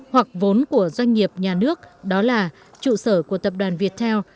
hoặc vốn của doanh nghiệp nhà nước đó là trụ sở của tập đoàn viettel